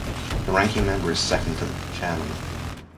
The ranking member is second to the chairman.